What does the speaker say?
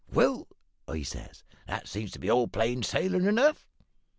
"`Well,' I says, `that seems to be all plain sailin' enough.'